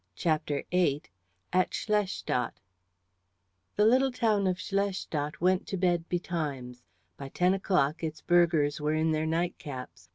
CHAPTER VIII The little town of Schlestadt went to bed betimes. By ten o'clock its burghers were in their night caps.